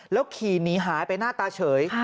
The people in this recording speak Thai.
ขี่หนีหายไปหน้าตาเฉย